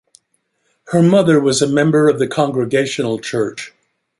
Her mother was a member of the Congregational Church.